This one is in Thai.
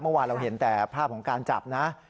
เมื่อวานเราเห็นแต่ภาพของการจับนะ